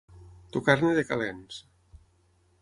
Tocar-ne de calents.